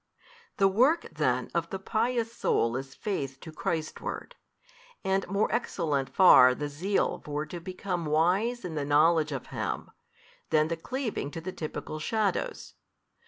The work then of the pious soul is faith to Christ ward, and more excellent far the zeal for to become wise in the knowledge of Him, than the cleaving to the typical shadows.